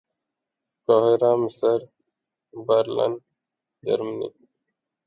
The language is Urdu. قاہرہ مصر برلن جرمنی